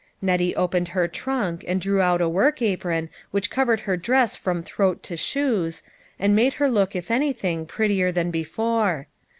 Nettie opened her trunk and drew out a work apron which covered her dress from throat to shoes, and made her look if anything, prettier than before.